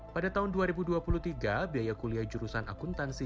pada tahun dua ribu dua puluh tiga biaya kuliah jurusan akuntansi